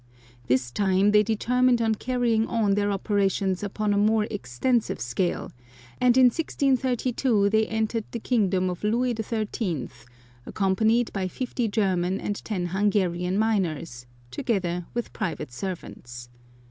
This time they determined on carrying on their operations upon a more extensive scale, and in 1632 they entered the kingdom of Louis XIII., accompanied by fifty German and ten Hungarian miners, together with private servants.